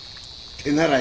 手習い？